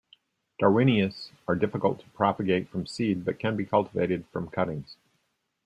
Darwinias are difficult to propagate from seed but can be cultivated from cuttings.